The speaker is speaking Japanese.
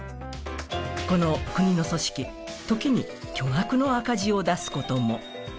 この国の組織、時に巨額の赤字を出すことも。